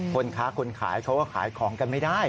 คนค้าคนขายเขาก็ขายของกันไม่ได้